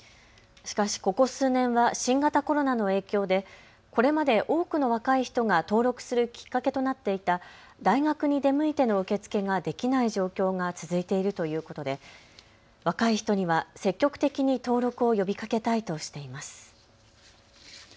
しかしここ数年は新型コロナの影響でこれまで多くの若い人が登録するきっかけとなっていた大学に出向いての受け付けができない状況が続いているということで若い人には積極的に登録を呼びかけたいとしています。